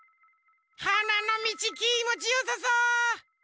はなのみちきもちよさそう！